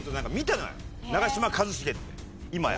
長嶋一茂って今や。